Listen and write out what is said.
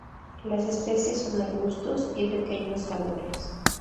Las especies son arbustos y pequeños árboles.